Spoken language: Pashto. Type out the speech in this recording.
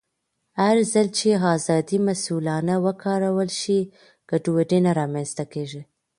هرځل چې ازادي مسؤلانه وکارول شي، ګډوډي نه رامنځته کېږي.